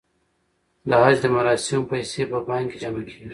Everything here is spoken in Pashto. د حج د مراسمو پیسې په بانک کې جمع کیږي.